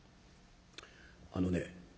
あのね